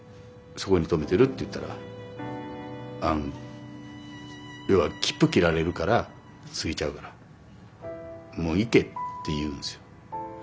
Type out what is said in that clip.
そこに止めてるって言ったら要は切符切られるから過ぎちゃうからもう行けと言うんですよ。